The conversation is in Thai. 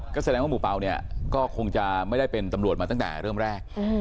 ก็แสดงว่าหมู่เปล่าเนี่ยก็คงจะไม่ได้เป็นตำรวจมาตั้งแต่เริ่มแรก